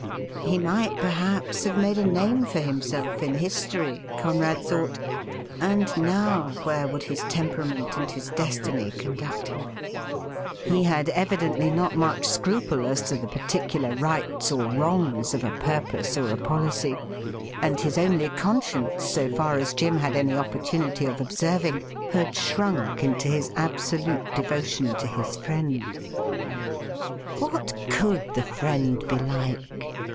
He might perhaps have made a name for himself in history, Conrad thought, and now where would his temperament and his destiny conduct him ? He had evidently not much scruple as to the par 48 THE RIDDLE RING ticular rights or wrongs of a purpose or a policy, and his only conscience, so far as Jim had any opportunity of observing, had shrunk into his absolute devotion to his friend. What could the friend be like?